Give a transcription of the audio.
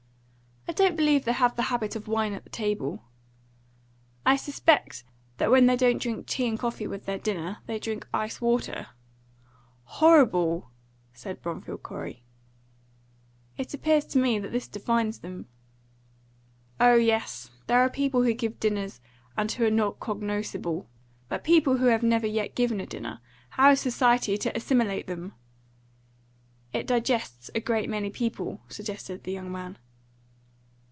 "I don't believe they have the habit of wine at table. I suspect that when they don't drink tea and coffee with their dinner, they drink ice water." "Horrible!" said Bromfield Corey. "It appears to me that this defines them." "Oh yes. There are people who give dinners, and who are not cognoscible. But people who have never yet given a dinner, how is society to assimilate them?" "It digests a great many people," suggested the young man.